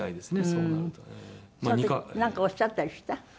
その時なんかおっしゃったりした？